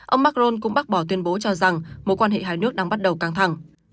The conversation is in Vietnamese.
ông macron cũng bác bỏ tuyên bố cho rằng mối quan hệ hai nước đang bắt đầu căng thẳng